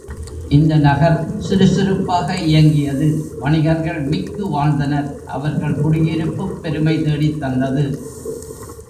இந்த நகர் சுருசுருப்பாக இயங்கியது வணிகர்கள் மிக்கு வாழ்ந்தனர் அவர்கள் குடியிருப்புப் பெருமை தேடித் தந்தது.